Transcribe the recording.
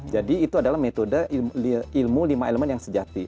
jadi itu adalah metode ilmu lima elemen yang sejati